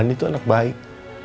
andi tuh anak baik